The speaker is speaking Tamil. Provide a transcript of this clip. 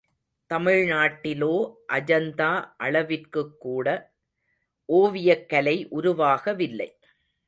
தமிழ்நாட்டிலோ அஜந்தா அளவிற்குக்கூட ஓவியக் கலை உருவாகவில்லை.